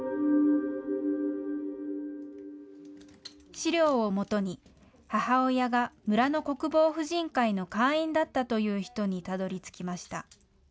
資料を基に、母親が村の国防婦人会の会員だったという人にたどりつきました。